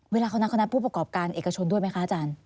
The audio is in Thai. เวลาเขานัดคณะผู้ประกอบการเอกชนด้วยไหมคะอาจารย์